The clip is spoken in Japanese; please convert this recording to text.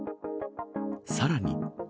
さらに。